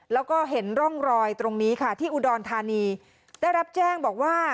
แล้วก็เห็นร่องรอยตรงนี้ค่ะที่อุดรธานีได้รับแจ้งบอกว่า